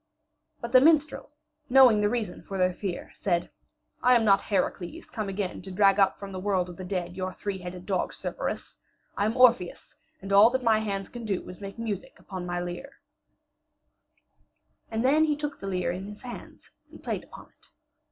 But the minstrel, knowing the reason for their fear, said: "I am not Heracles come again to drag up from the world of the dead your three headed dog Cerberus. I am Orpheus, and all that my hands can do is to make music upon my lyre." And then he took the lyre in his hands and played upon it.